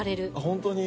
本当に？